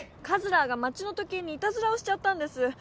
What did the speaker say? カズラーが町の時計にいたずらをしちゃったんです。